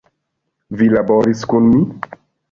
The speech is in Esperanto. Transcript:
Vi laboris kun mi??